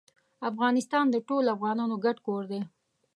افغانستان د ټولو افغانانو ګډ کور دی.